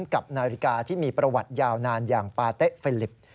กับนาฬิกาที่มีประวัติยาวนานอย่างปาเต๊ะเฟลิป